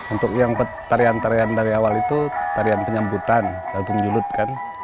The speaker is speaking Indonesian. untuk yang tarian tarian dari awal itu tarian penyambutan dagung julut kan